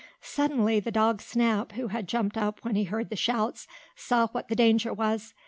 Suddenly the dog Snap, who had jumped up when he heard the shouts, saw what the danger was.